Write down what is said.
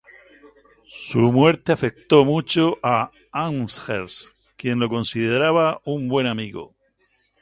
Su muerte afectó mucho a Amherst, quien lo consideraba un buen amigo.